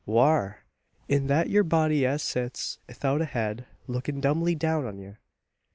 "Whar! In thet thur body as sits 'ithout a head, lookin' dumbly down on ye!